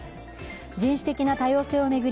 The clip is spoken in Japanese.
人種的な多様性を巡り